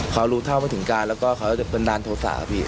เขารู้เท่าไม่ถึงการแล้วก็เขาจะบันดาลโทษะพี่